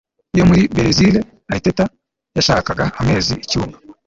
yo muri Berezile Ariteta yashakaga amezi Icyumba